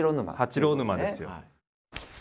「八郎沼」ですよ。